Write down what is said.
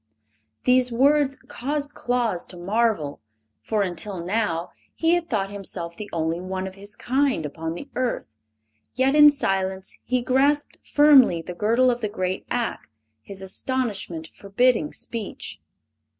These words caused Claus to marvel, for until now he had thought himself the only one of his kind upon the earth; yet in silence he grasped firmly the girdle of the great Ak, his astonishment forbidding speech.